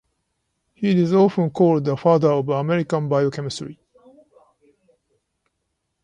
He is often called the father of American biochemistry.